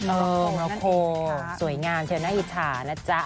เออโคสวยงามเชิญน่าอิจฉานะจ๊ะ